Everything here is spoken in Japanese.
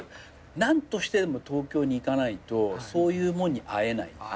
何としてでも東京に行かないとそういうもんに会えないっていう。